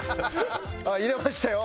あっ入れましたよ